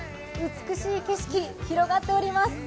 美しい景色、広がっております。